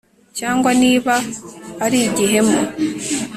cyangwa niba ari igihemu